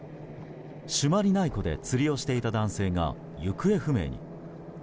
朱鞠内湖で釣りをしていた男性が行方不明に。